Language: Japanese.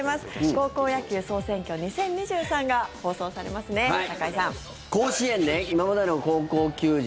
「高校野球総選挙２０２３」が放送されますね、中居さん。甲子園で今までの高校球児